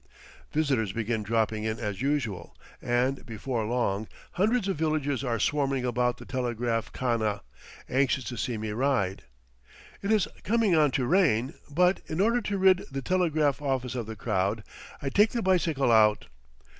Visitors begin dropping in as usual, and, before long, hundreds of villagers are swarming about the telegraph khana, anxious to see me ride. It is coming on to rain, but, in order to rid the telegraph office of the crowd, I take the bicycle out.